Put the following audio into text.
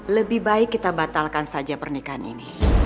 lebih baik kita batalkan saja pernikahan ini